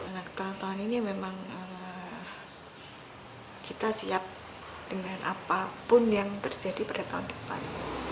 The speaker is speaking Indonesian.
nah tahun tahun ini memang kita siap dengan apapun yang terjadi pada tahun depan